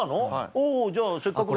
じゃあせっかくだから。